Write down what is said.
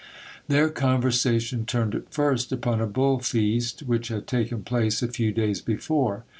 Their conversation turned at first upon a bull feast which had taken place a few days before.